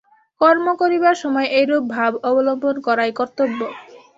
কর্ম করিবার সময় এইরূপ ভাব অবলম্বন করাই কর্তব্য।